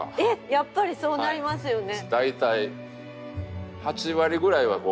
やっぱりそうなりますよね。